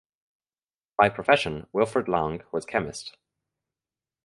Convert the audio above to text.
By profession Wilfried Lange was chemist.